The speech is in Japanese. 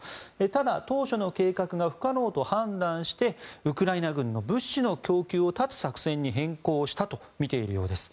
ただ当初の計画が不可能と判断してウクライナ軍の物資の供給を断つ作戦に変更したとみているようです。